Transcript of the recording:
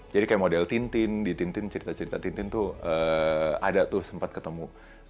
jadi kayak model tintin di tintin cerita cerita tintin tuh ada tuh sempat ketemu